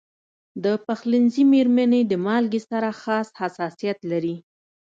د پخلنځي میرمنې د مالګې سره خاص حساسیت لري.